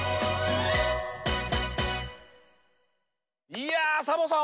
いやサボさん